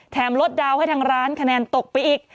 ลดดาวน์ให้ทางร้านคะแนนตกไปอีก